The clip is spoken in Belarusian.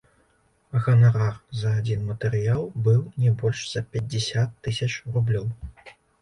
Ганарар за адзін матэрыял быў не больш за пяцьдзясят тысяч рублёў.